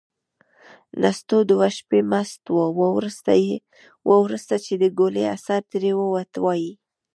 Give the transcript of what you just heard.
نستوه دوه شپې مست و. وروسته چې د ګولۍ اثر ترې ووت، وايي: